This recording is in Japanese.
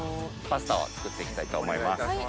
パスタを作って行きたいと思います。